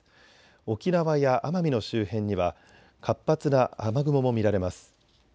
沖縄や奄美の周辺には活発な雨雲も見られます。